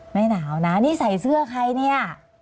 ไม่หนาวนะนี่ใส่เสื้อใครเนี่ย